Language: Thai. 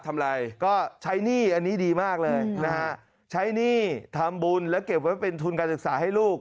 ทำอะไรก็ใช้หนี้อันนี้ดีมากเลยนะฮะใช้หนี้ทำบุญแล้วเก็บไว้เป็นทุนการศึกษาให้ลูก